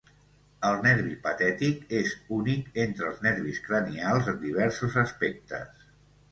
El nervi patètic és únic entre els nervis cranials en diversos aspectes.